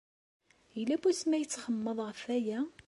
Yella wasmi ay txemmemeḍ ɣef waya?